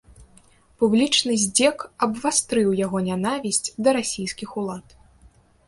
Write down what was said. Публічны здзек абвастрыў яго нянавісць да расійскіх улад.